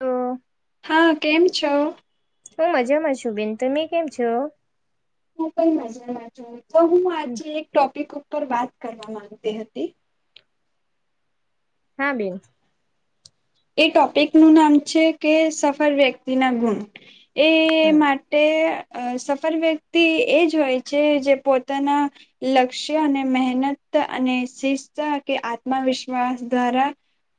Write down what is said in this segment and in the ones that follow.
લો. હા, કેમ છો? હું મજામાં છું બેન તમે કેમ છો? હું પણ મજામાં છું. તો હું આજે એક ટોપિક ઉપર વાત કરવા માંગતી હતી. હા બેન. એ ટોપિકનું નામ છે કે સફર વ્યક્તિના ગુણ. એ હા મા તે અહ સફળ વ્યક્તિ એ જ હોય છે જે પોતાના લક્ષ્ય અને મહેનત અને શિસ્ત કે આત્મવિશ્વાસ દ્વારા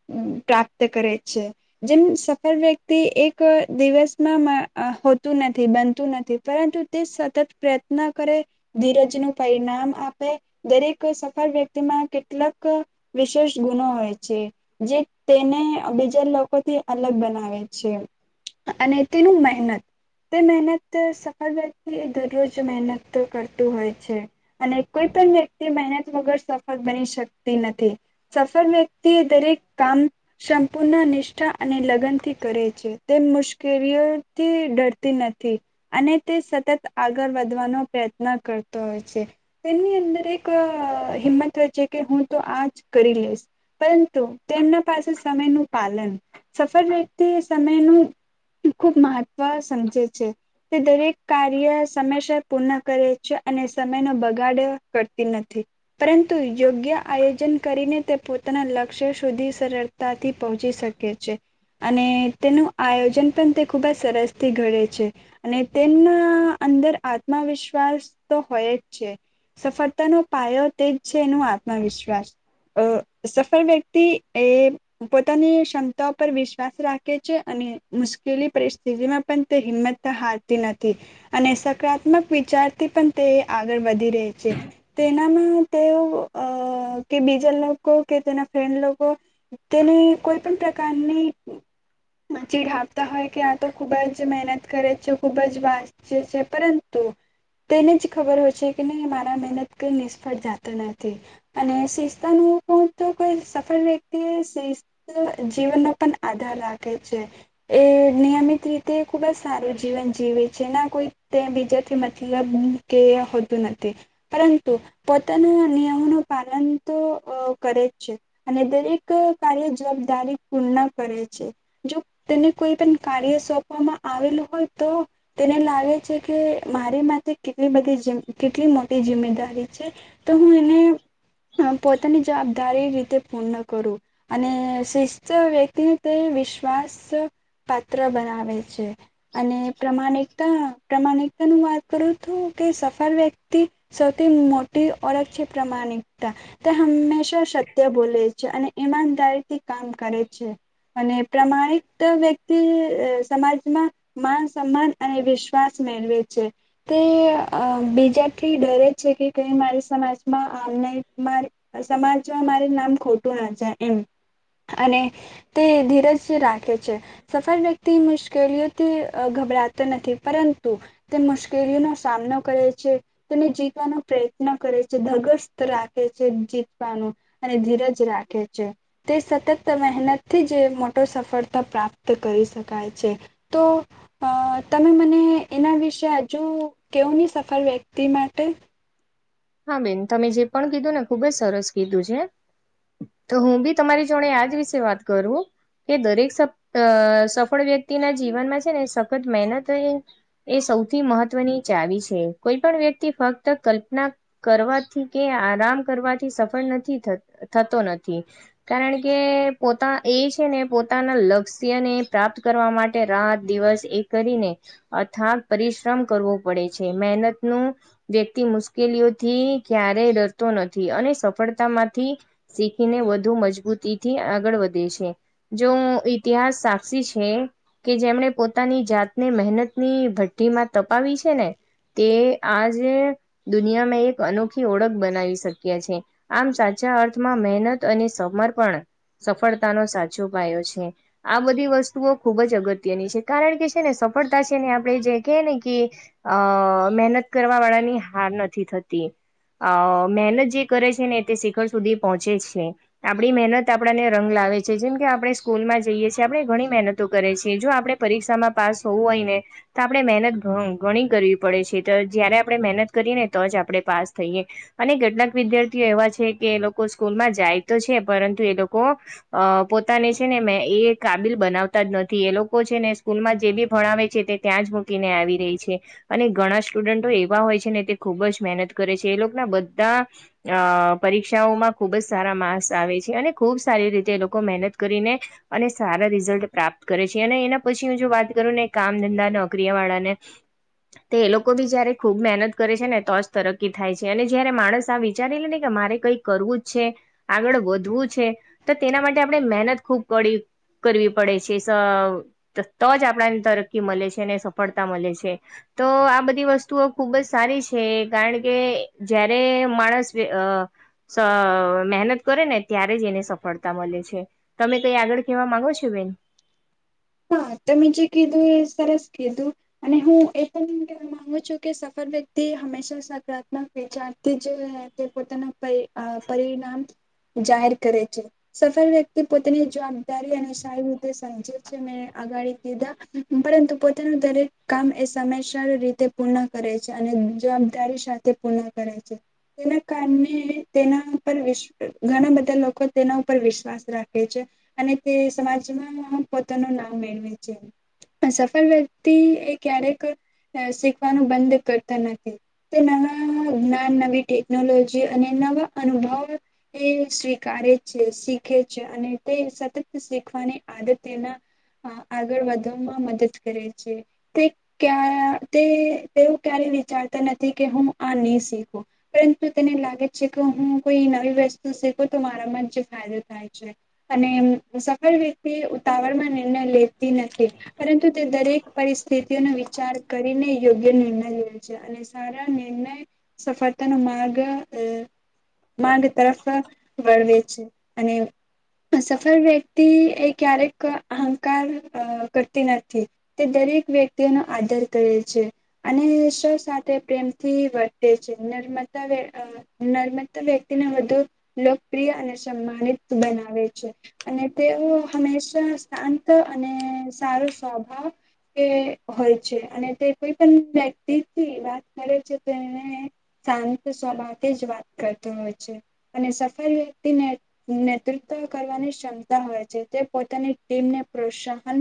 હમ્મ પ્રાપ્ત કરે છે. જેમ સફળ વ્યક્તિ એક દિવસમાંમાં હોતું નથી, બનતું નથી પરંતુ, ટે સતત પ્રયત્ન કરે ધીરજનું પરિણામ આપે. દરેક સફળ વ્યક્તિમાં કેટલાક વિશેષ ગુણો હોય છે, જે એને બીજા લોકોથી અલગ બનાવે છે, અને તેનું મહેનત. તે મહેનત સફળ વ્યક્તિ દરરોજ મહેનત તો કરતું હોય છે. અને કોઈ પણ વ્યક્તિ મહેનત વગર સફળ બની શકતી નથી. સફળ વ્યક્તિ એ દરેક કામ સંપૂર્ણ નિષ્ઠા અને લગ્નથી કરે છે. તે મુશ્કેલીઓથી ડરતી નથી. અને તે સતત આગળ વધવાનો પ્રયત્ન કરતો હોય છે. તેની અંદર એક હિંમત હોય છે કે હું તો આ જ કરી લઈશ. પરંતુ તેમના પાસે સમયનું પાલન. સફળ વ્યક્તિ એ સમયનું ખૂબ મહત્વ સમજે છે. તે દરેક કાર્ય સમયસર પૂર્ણ કરે છે અને સમયનો બગાડ કરતી નથી. પરંતુ યોગ્ય આયોજન કરીને તે પોતાના લક્ષ્ય સુધી સરળતાથી પહોંચી શકે છે. અને તેનું આયોજન પણ તે ખૂબ જ સરસથી ઘડે છે. અને તેમના અંદર આત્મવિશ્વાસ તો હોય જ છે. સફળતાનો પાયો તે જ છે એનું આત્મવિશ્વાસ. અ સફળ વ્યક્તિ એ પોતાની ક્ષમતા પર વિશ્વાસ રાખે છે અને મુશ્કેલ પરિસ્થિતિમાં પણ તે હિંમતને તો હારતી નથી. અને સકારાત્મક વિચારથી પણ તે આગળ વધી રે છે. તેનામાં તેઓ અ કે બીજા લોકો કે તેના ફ્રેન્ડ લો કો તેની કોઈ પણ પ્રકારની ચીઢાવતા હોય કે આ તો ખુબ જ મહેનત કરે છે, ખુબ જ વાચ ચે છે. પરંતુ, તેને જ ખબર હોય છે કે નહી મારા મહેનત કઈ નિષ્ફળ જાતું નથી. અને શિસ્તનું પણ કો તો કોઈ સ ફળ વ્યક્તિઓ શિસ્ત જીવનનો પણ આધાર રાખે છે. એ નિયમિત રીતે ખૂબ જ સારું જીવન જીવે છે. ના કોઈ તે બીજાથી મતલબ કેય હોતું નથી. પરંતુ, પોતાના નિયમોનું પાલન તો અ કરે જ છે. અને દરેક કાર્ય જવાબદારી પૂર્ણ કરે છે. જો તેને કોઈ પણ કાર્ય સોંપવામાં આવેલું હોય તો, તેને લાગે છે કે મારી માથે કેટલી મોટી જી કેટલી મોટી જિમ્મેદારી છે તો હું એને પોતાની અ જવાબદારી રીતે પૂર્ણ કરું, અને શિસ્ત વ્યક્તિને તે વિશ્વાસ પાત્ર બનાવે છે. અને પ્રમાણે તા પ્રમાણિકતા હું વાત કરું છું કે સફળ વ્યક્તિ સૌથી મોટી ઓળખ છે પ્રમાણિકતા. તે હંમેશા સત્ય બોલે છે અને ઈમાનદારીથી કામ કરે છે. અને પ્રમાણિક વ્યક્તિ અ સમાજમાં માન, સન્માન અને વિશ્વાસ મેળવે છે. તે અ બીજાથી ડરે જ છે કે કઈ મારી સમાજમાં આમને મારિ સમાજ મા નામ ખોટું ના છે એમ અને તે ધીરજ રાખે છે સફળ વ્યક્તિ મુશ્કેલીઓથી અ ગભરાતો નથી. પરંતુ, તે મુશ્કેલીઓનો સામનો કરે છે તેને જીતવાનો પ્રયત્ન કરે છે ધગસ રાખે છે જીતવાનું. અને ધીરજ રાખે છે. તે સતત મહેનતથી જ મોટો સફળતા પ્રાપ્ત કરી શકાય છે તો અ તમે મને એના વિશે હજુ કેવો ની સફર વ્યક્તિ માટે હા બેન તમે જે પણ કીધું ને ખુબજ સરસ કીધું છે તો હું બી તમારી જોડે આયાજ વિશે વાત કરું એ દરેક સ સફળ વ્યક્તિના જીવનમાં છે ને સખત મહેનત એ સૌથી મહત્વની ચાવી છે કોઈ પણ વ્યક્તિ ફક્ત કલ્પના કરવાથી કે આરામ કરવાથી સફળ નથી થતો નથી કારણ કે પોતા એ છે ને પોતાના લક્ષ્યને પ્રાપ્ત કરવા માટે રાત દિવસ એક કરીને અથાગ પરિશ્રમ કરવો પડે છે મહેનત નુ વ્યક્તિ મુશ્કેલીઓ થી ક્યારેય ડરતો નથી અને સફળતા માંથી શીખીને વધુ મજબૂતીથી આગળ વધે છે જો ઈતિહાસ સાક્ષી છે કે જેમણે પોતાની જાતને મહેનતની ભઠ્ઠીમાં તપાવી છે ને કે આજ દુનિયામાં એક અનોખી ઓળખ બનાવી શક્યા છે આમ સાચા અર્થમાં મહેનત અને સમર્પણ સફળતાનો સાચો પાયો છે આ બધી વસ્તુઓ ખૂબ જ અગત્યની છે કારણ કે છે ને સફળતા છે ને આપણે જે ક ને કે અ મહેનત કરવા વાળાની હાર નથી થતી અ મહેનત જે કરે છે ને તે શિખર સુધી પહોંચે છે આપણી મહેનત આપણાને રંગ લાવે છે જેમ કે આપણે સ્કૂલમાં જઈએ છીએ આપણે ઘણી મહેનતો કરે છીએ જો આપણે પરીક્ષામાં પાસ હોવું હોય ને તો આપણે મહેનત ગણી કરવી પડે છે તો જયારે આપણે મહેનત કરીએ ને તો જ આપણે પાસ થઈએ અને કેટલાક વિદ્યાર્થીઓ એવા છે કે એ લોકો સ્કૂલમાં જાય તો છે પરંતુ એ લોકો અ પોતાને છે ને મેં એ કાબિલ બનાવતા જ નથી એ લોકો છે ને સ્કૂલ માં જે બી ભણાવે છે તે ત્યાં જ મૂકીને આવી રહી છે અને ઘણા સ્ટુડન્ટો એવા હોય છે ને તે ખૂબ જ મહેનત કરે છે એ લોકો ના બધા અ પરીક્ષાઓમાં ખુબ જ સારા માર્ક્સ આવે છે અને ખૂબ સારી રીતે એ લોકો મહેનત કરીને અને સારા રિઝલ્ટ પ્રાપ્ત કરે છે અને એના પછી હું જો વાત કરું ને કામ ધંધા નોકરીયા વાળાને તો એ લોકો બી જયારે ખુબ મહેનત કરે છે ને તો તરકી થાય છે અને જયારે માણસ આ વિચારે લ ને કે મારે કઈ કરવું જ છે આગળ વધવું છે તો તેના માટે આપણે મહેનત ખૂબ પ કરવી પડે છે તો જ આપણાને તરકી મળે છે અનેને સફળતા મળે છે તો આ બધી વસ્તુઓ ખુબ જ સારી છે કારણ કે જયારે માણસ અ મહેનત કરે ને ત્યારે જ એને સફળતા મળે છે તમે કઈ આગળ ખહેવા માંગો છો બેન હા તોમેં જે કીધું એ સરસ કીધું અને હું એ પણ મામાંગુ છું કે સફળ વ્યક્તિ હંમેશા સકારાત્મક વિચારથી જ તે પોતાના પરિણામ જાહેર કરે છે સફળ વ્યક્તિ પોતાની જવાબદારી અને સારી રીતે સમજે પછી મે આગાળી કીધા પરંતુ પોતાનું દરેક કામ એ સમયસર રીતે પૂર્ણ કરે છે અને જવાબદારી સાથે પુર્ણ કરે છે તેના કારણે તેના પર વિશ ઘણા બધા લોકો તેના ઉપર વિશ્વાસ રાખે છે અને તે સમાજમાં પોતાનું નામ મેળવે છે પણ સફળ વ્યક્તિ એ ક્યારેક શીખવાનું બંધ કરતો નથી. તે નવા જ્ઞાન અને ટેકનોલોજી અને નવો અનુભવ એ સ્વીકારે છે, શીખે છે અને તે સાથે સતત શીખવાની આદત તેના આગળ વધવામાં મદદ કરે છે. તે કયા તે તે ક્યારેય વિચારતો નથી કે હું આ નય શીયખો. પરંતુ તમે માનો છે કે હું કોઈ નવી વસ્તુ શીખું તો મારામાં જે ફાયદો થાય છે. અને સફળ વ્યક્તિ ઉતાવળ માં નિર્ણય લેતી નથી. પરંતુ તે દરેક પરિસ્થિતિઓનો વિચાર કરીને યોગ્ય નિર્ણય લેય છે. અને સારા નિર્ણય સફળતા નો માર્ગ અ માગ તરફ પણ વળવે છે અને પણ સફર વ્યક્તિ એ ક્યારેક અ અહંકાર કરતી નથી તે દરેક વ્યક્તિઓનો આદર કરે છે. અને શૌ સાથે પ્રેમથી વર્તે છે [unintelligible] નર્મદા વ્યક્તિને વધુ લોકપ્રિય અને સમાનિત બનાવે છે. અને તેઓ હંમેશા શાંત અને સારો સ્વભાવ કે હોય છે અને તે કોઈ પણ વ્યક્તિથી વાત કરે છે તેને શાંત સ્વભાવ થી જ વાત કરતો હોય છે. અને સફળ વ્યક્તિને નેતૃત્વ કરવાની ક્ષમતા હોય છે તે પોતાની ટીમને પ્રોત્સાહન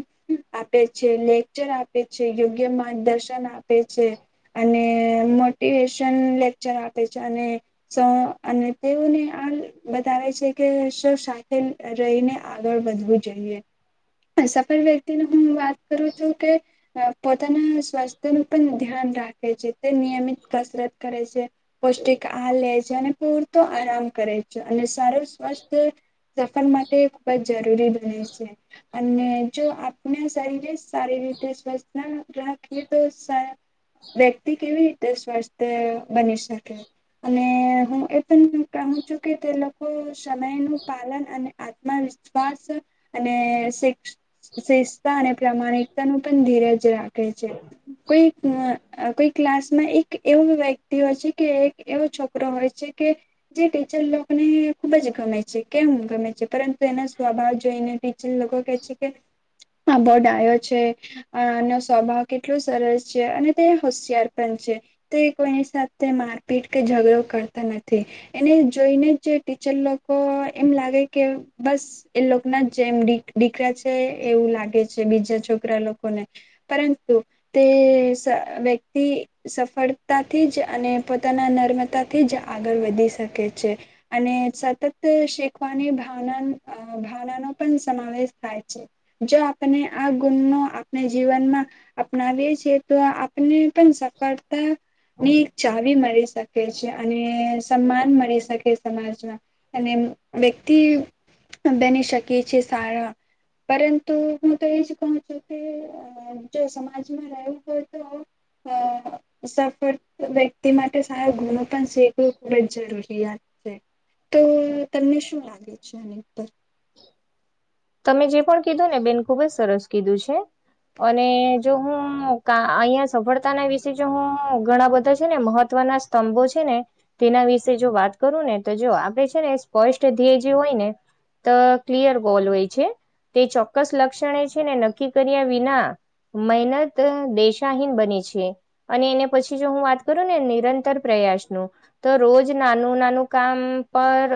આપે છે, લેક્ચર આપે છે, યોગ્ય માર્ગદર્શન આપે છે. અને મોટિવેશન લેક્ચર આપે છે અને સ અને તેઓને આ બતાવે છે કે શૌ સાથે રહીને આગળ વધવું. જયે પણ સફળ વ્યક્તિની હું વાત કરું છું કે પોતાના સ્વાસ્થ્યનું પણ ધ્યાન રાખે છે તે નિયમિત કસરત કરે છે. પૌષ્ટિક આ લે છે અને પૂરતો આરામ કરે છે અને સારું સ્વાસ્થય સફર માટે ખુબ જ જરૂરી રહે છે. અને જો આપણે શરીરે સારી રીતે સ્વસ્થ રહએ તો ઘણા તકલીફો સારા વ્યક્તિ કેવી રીતે સ્વસ્થ્ બની શકે? અને હું એ પણ કહું છું કે એ લોકો સમય નું પાલન અને આત્મવિશ્વાસ શ્વાસ અને શ્રેષ્ઠ શ્રેષ્ઠતા અને પ્રામાણિકતા નું પણ ધીરજ રાખે છે. કોઈ અ કોઈ ક્લાસ માં એક એવો વ્યક્તિ હસે કે એક એવો છોકરો છોકરો હોય છે કે જે ટીચર લોકને ખુબ જ ગમે છે કેમ ગમે છે પરંતુ એના સ્વભાવ જોઈને ટીચર લોકો કે છે કે આ બો ડાયો છે. અ એનો સ્વભાવ કેટલો સરસ છે અને તે હોશિયાર પણ છે. તે કોઈની સાથે મારપીટ કે ઝઘડો કરતો નથી. એને જોઈને જ ટીચર લોકો એમ લાગે કે બસ એ લોક ના જેમ દીકરા છે એવું લાગે છે બીજા છોકરા લોકોને પરંતુ તે વ્યક્તિ સફળતાથી જ અને પોતાના નર્મતા તે જ આગળ વધી શકે છે. અને સતત શીખવાની ભાવના અ ભાવ નો પણ સમાવેશ થાય છે. જો આપણે આ ગુણ આપણે જીવનમાં અપનાવીએ છીએ તો આપને સફળતની મળી શકે છે અને સન્માન મળી શકે સમાજમાં. અને વ્યક્તિ બેની ટકે છે સારા પરંતુ હું તો એજ કહ છું કે જો સમાજમાં રહેવું હોય તો અ સફળ વ્યક્તિ માટે સારો ગુનો પણ શીખવું ખૂબ જ જરૂરિયાત છે. તો તમને શું લાગે છે આની ઉપર? તમે જે પણ કીધું ને બેન ખુબ જ સરસ કીધું છે. અને જો હું કા અહીંયા સફળતાના વિશે જો હું ઘણા બધા છે ને મહત્વના સ્તંબો છે ને તેના વિશે જો વાત કરું ને તો જો આપડે છે ને સ્પષ્ટ ધ્યેય જે હોય ને તો ક્લિયર ગોલ હોય છે તે ચોક્કસ લક્ષણે છે ને નક્કી કર્યા વિના મહેનત દેશાહીન બને છે. અને એને પછી જો હું વાત કરું ને નિરંતર પ્રયાસ ન તો રોજ નાનું નાનું કામ પર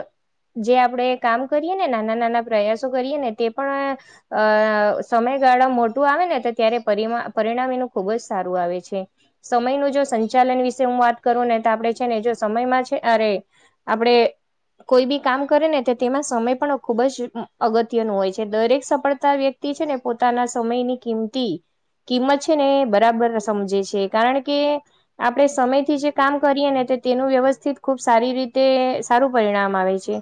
જે આપણેે કામ કરીએ ને નાના નાના પ્રયાસો કરીએ ને તે પણ અ સમયગાળા મોટું આવે ને તો ત્યારે પરિણામ એનું ખુબ જ સારું આવે છે. સમયનું જો સંચાલન વિશે હું વાત કરું ને તો આપડે છે ને જો સમયમાં છે અરે. આપણેે કોઈ બી કામ કરે ને તો તેમાં સમય પણ ખુબ જ અગત્યનું હોય છે દરેક સફળતા વ્યક્તિ છે ને પોતાના સમયની કિંમતી કિંમત છે ને એ બરાબર સમજે છે કારણ કે આપડણે સમયથી જે કામ કરીએ ને તેનું વ્યવસ્થિત ખુબ સારી રીતે સારું પરિણામ આવે છે.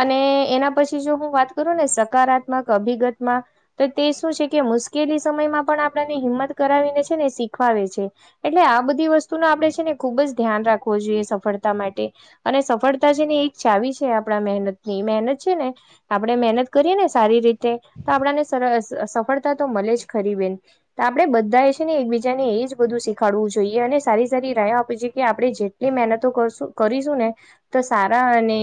અને એના પછી જો હું વાત કરું ને સકારાત્મક અભિગતમાં તો તે શું છે કે મુશ્કેલી સમયમાં પણ આપણને હિંમત કરાવીને છે ને શીખવાવેે છે. એટલે આ બધી વસ્તુ ન આપણે છે ને ખુબ જ ધ્યાન રાખવો જોઈએ સફળતા માટે અને સફળતા છે ને એક ચાવી છે આપણા મહેનત ની મહેનત છે ને આપણે મહેનત કરીએ ને સારી રીતે તો આપણને સફળતા તો મળે જ ખરી બેન તો આપડે બધા એ છે ને એકબીજા ને એજ બધું શીખાડવું જોઈએ અને સારી સારી રાહ આપ કે આપડે જેટલી મહેનતો કરશું કરીશું ને તો સારા અને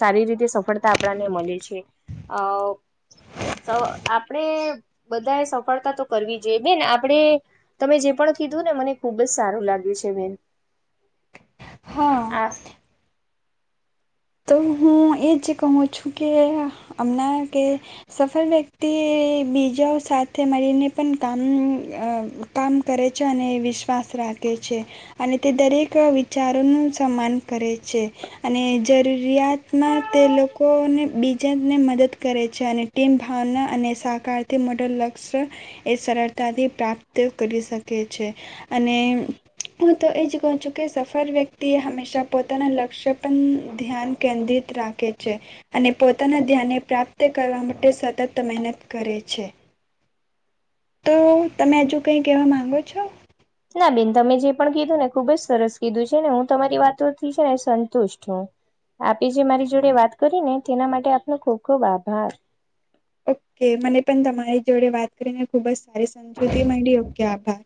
સારી રીતે સફળતા આપણને મળે છે. અ. અ આપરે બધાએ સફળતા તો કરવી જોઈએ બેન આપણે તમે જે પણ કીધું ને મને ખુબ જ સારું લાગ્યું છે બેન હા આ તો હું એ જ કહું છું કે અમણાં કે સફળ વ્યક્તિએ બીજાઓ સાથે મળીને પણ કામ અ. કામ કરે છે અને વિશ્વાસ રાખે છે. અને તે દરેક વિચારોનું સન્માન કરે છે અને જરૂરિયાતમાં તે લોકોને બી જેને મદદ કરે છે અને ટીમ ભાવના અને સહકારથી મોટો લક્ષ્ય એ સરળતાથી પ્રાપ્ત કરી શકે છે અને હું તો એ જ કહું છું કે સફર વ્યક્તિએ હંમેશા પોતાના લક્ષ્ય પણ ધ્યાન કેન્દ્રિત રાખે છે. અને પોતાના ધ્યાનને પ્રાપ્ત કરવા માટે સતત મહેનત કરે છે. તો તમે હજુ કંઈ કહેવા માગો છો? ના બેન તમે જે પણ કીધું ને ખુબ જ સરસ કીધું છે ને હું તમારી વાતોથી છે ને સંતુષ્ટ હું. આપી જે મારી જોડે વાત કરી ને તેના માટે આપનો ખુબ ખુબ આભાર. ઓકે મને પણ તમારી જોડે વાત કરીને ખુબ જ સારી સમજૂતી માંડી ઓકે આભાર.